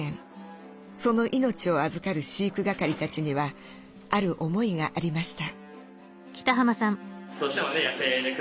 その命をあずかる飼育係たちにはある思いがありました。